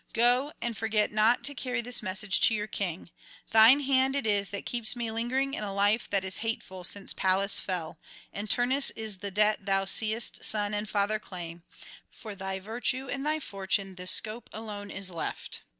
Go, and forget not to carry this message to your king: Thine hand it is that keeps me lingering in a life that is hateful since Pallas fell, and Turnus is the debt thou seest son and father claim: for thy virtue and thy fortune this scope alone is left.